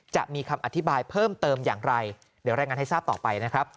จะมีคำอธิบายเพิ่มเติมอย่างไรเดี๋ยวรายงานให้ทราบต่อไปนะครับ